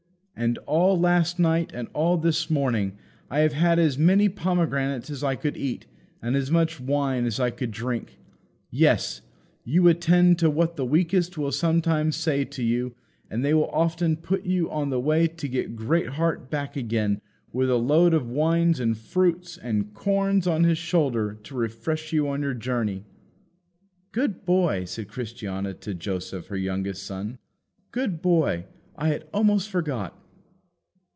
And all last night and all this morning I have had as many pomegranates as I could eat and as much wine as I could drink. Yes; you attend to what the weakest will sometimes say to you, and they will often put you on the way to get Greatheart back again with a load of wines and fruits and corn on his shoulder to refresh you on your journey. "Good boy!" said Christiana to Joseph her youngest son, "Good boy! I had almost forgot!"